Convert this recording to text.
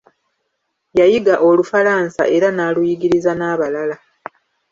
Yayiga Olufalansa era n'aluyigiriza n'abalala.